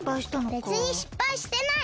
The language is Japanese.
べつにしっぱいしてない！